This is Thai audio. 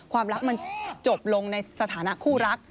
ความรักมันจบลงในสถานะคู่รัก